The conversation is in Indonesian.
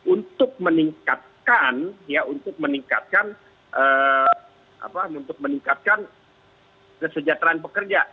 untuk meningkatkan kesejahteraan pekerja